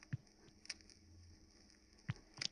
o'yinlarga qatnashmayotganini so'rashardi.